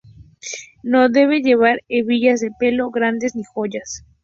No debe llevar hebillas de pelo grandes ni joyas.